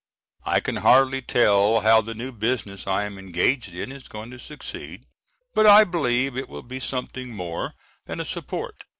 I can hardly tell how the new business I am engaged in, is going to succeed, but I believe it will be something more than a support.